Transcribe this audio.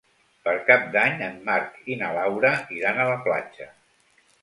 Per Cap d'Any en Marc i na Laura iran a la platja.